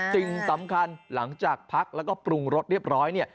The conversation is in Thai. สิ่งสำคัญหลังจากพักแล้วก็ปรุงรสเรียบร้อยเนี่ย